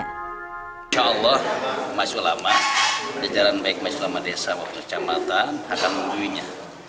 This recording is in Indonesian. insya allah majulama jajaran baik majulama desa waktu kecamatan akan mengunduhinya